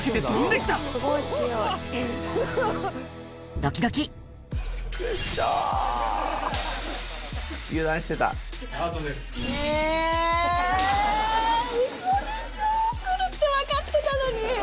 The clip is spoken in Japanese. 来るって分かってたのに。